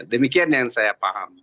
demikian yang saya paham